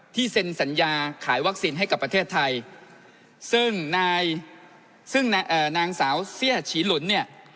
เซ็นสัญญาขายวัคซีนให้กับประเทศไทยซึ่งนายซึ่งนางสาวเสี้ยฉีหลุนเนี่ย